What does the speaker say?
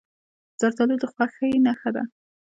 زردالو د خوښۍ نښه ده.